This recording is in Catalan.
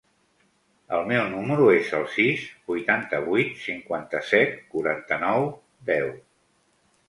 El meu número es el sis, vuitanta-vuit, cinquanta-set, quaranta-nou, deu.